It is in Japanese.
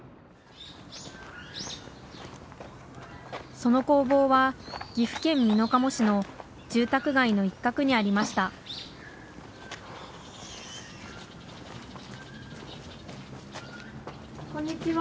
その工房は岐阜県美濃加茂市の住宅街の一角にありましたこんにちは。